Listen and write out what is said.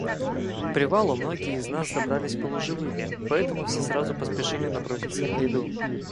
К привалу многие из нас добрались полуживыми, поэтому все сразу поспешили наброситься на еду.